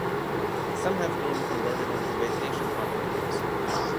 Some have been converted into vacation condominiums.